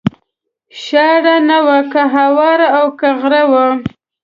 شاړه نه وه که هواره او که غر و